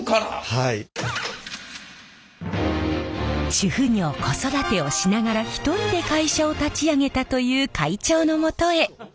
主婦業子育てをしながら一人で会社を立ち上げたという会長のもとへ。